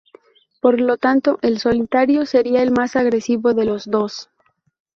Por lo tanto, el solitario sería el más agresivo de los dos.